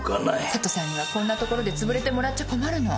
佐都さんにはこんなところで潰れてもらっちゃ困るの。